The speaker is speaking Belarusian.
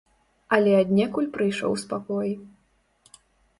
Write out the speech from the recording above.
Але аднекуль прыйшоў спакой.